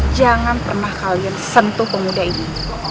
jangan pernah kalian sentuh pemuda ini